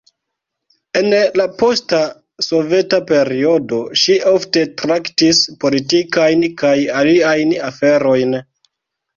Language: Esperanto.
En la posta soveta periodo ŝi ofte traktis politikajn kaj aliajn aferojn.